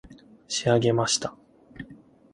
仕上げました